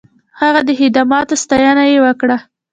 د هغه د خدماتو ستاینه یې وکړه.